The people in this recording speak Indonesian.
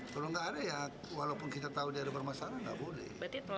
kalau tidak ada ya walaupun kita tahu dia ada permasalahan tidak boleh